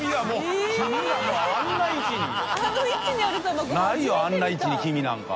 覆いあんな位置に黄身なんか。